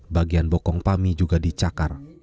bagian bokong pami juga dicakar